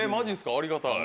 ありがたい。